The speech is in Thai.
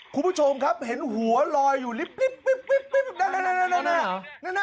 คุณผู้ชมครับเห็นหัวลอยอยู่ริบ